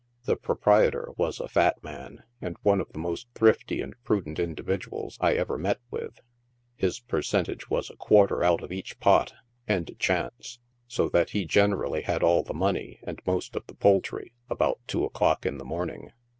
The proprietor was a fat man, and one of the most thrifty and prudent individuals I ever met with. His percentage was a quarter out of each pot, and a chance, so that he generally had all the money and most of the poultry about two o'clock in the morning.